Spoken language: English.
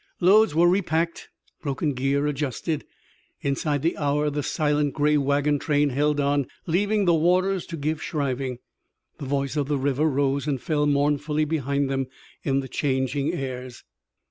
Loads were repacked, broken gear adjusted. Inside the hour the silent gray wagon train held on, leaving the waters to give shriving. The voice of the river rose and fell mournfully behind them in the changing airs.